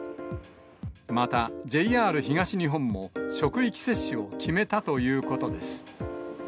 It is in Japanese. また、ＪＲ東日本も、職域接種を決めたということです。